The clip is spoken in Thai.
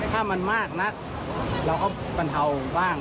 ถ้ามันมากนักเราก็บรรเทาบ้าง